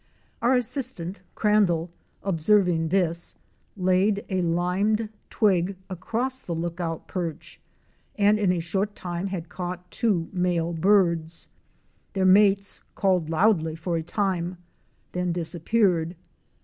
Our assistant, Crandall, observing this, laid a limed twig across the lookout perch and in a short time had caught two male birds. Their mates called loudly for a time, then disappeared.